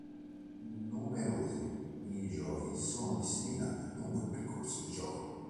Numerosi minigiochi sono disseminati lungo il percorso di gioco.